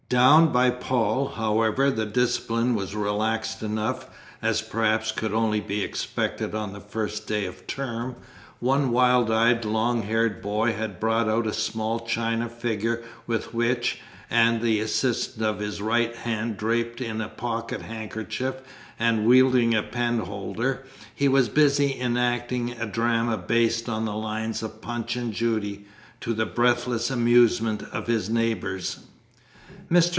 Down by Paul, however, the discipline was relaxed enough, as perhaps could only be expected on the first day of term. One wild eyed long haired boy had brought out a small china figure with which, and the assistance of his right hand draped in a pocket handkerchief, and wielding a penholder, he was busy enacting a drama based on the lines of Punch and Judy, to the breathless amusement of his neighbours. Mr.